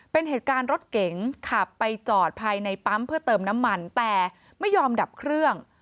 เป็นเหตุการณ์รถเก๋งขับไปจอดภายในปั๊มเพื่อเติมน้ำมันแต่ไม่ยอมดับเครื่อง